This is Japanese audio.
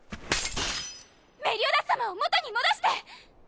メリオダス様を元に戻して！